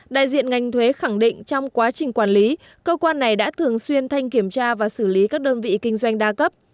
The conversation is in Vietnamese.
đại diện ngành thuế khẳng định trong quá trình quản lý cơ quan này đã thường xuyên thanh kiểm tra và xử lý các đơn vị kinh doanh đa cấp